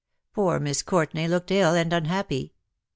Poor Miss Courtenay looked ill and unhappy.